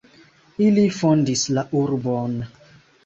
Ili fondis la urbon.